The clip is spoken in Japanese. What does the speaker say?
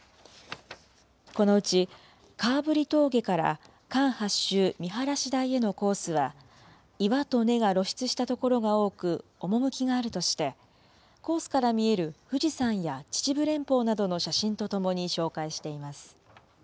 このうち顔振峠から関八州見晴台へのコースは、岩と根が露出した所が多く、趣があるとして、コースから見える富士山や秩父連峰などの写真とともに紹介しています。